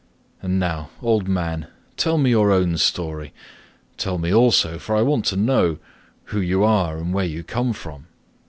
And now, old man, tell me your own story; tell me also, for I want to know, who you are and where you come from.